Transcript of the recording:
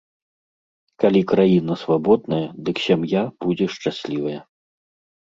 Калі краіна свабодная, дык сям'я будзе шчаслівая.